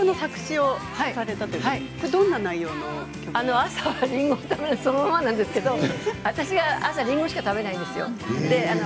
朝はりんごを食べるそのままなんですけど、私は朝はりんごしか食べないんです。